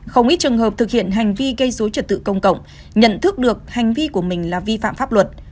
không ít trường hợp thực hiện hành vi gây dối trật tự công cộng nhận thức được hành vi của mình là vi phạm pháp luật